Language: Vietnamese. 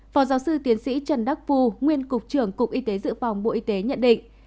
phó giáo sư tiến sĩ trần đắc phu nguyên cục trưởng cục y tế dự phòng bộ y tế nhận định